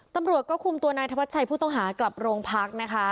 ตำรวจก็คุมตัวนายธวัชชัยผู้ต้องหากลับโรงพักนะคะ